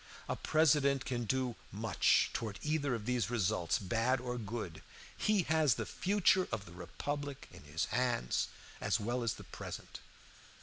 A President can do much toward either of these results, bad or good. He has the future of the republic in his hands, as well as the present.